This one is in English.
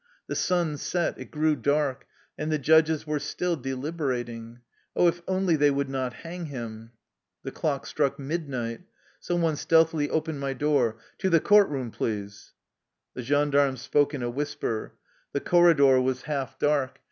The sun set, it grew dark, and the judges were still deliberating. Oh, if only they would not hang him ! The clock struck midnight. Some one stealth ily opened my door. " To the court room, please !" The gendarme spoke in a whisper. The corri dor was half dark.